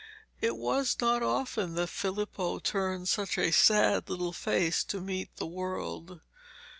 It was not often that Filippo turned such a sad little face to meet the world.